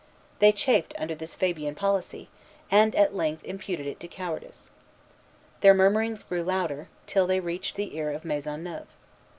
They chafed under this Fabian policy, and at length imputed it to cowardice. Their murmurings grew louder, till they reached the ear of Maisonneuve.